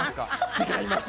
違います。